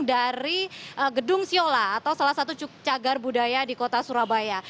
dari gedung siola atau salah satu cagar budaya di kota surabaya